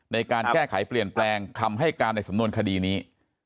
ในการแก้ไขเปลี่ยนแปลงคำให้การในสำนวนคดีนี้